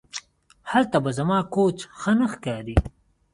هلته به زما کوچ ښه نه ښکاري